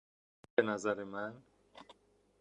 به نظر من